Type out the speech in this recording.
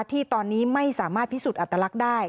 ที่ตอนนี้ไม่สามารถพิสูจน์อัตลักษณ์ได้